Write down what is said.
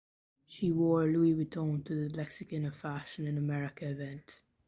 She wore Louis Vuitton to the Lexicon of Fashion in America event.